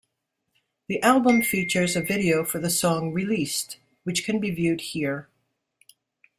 The album features a video for the song "Released", which can be viewed here.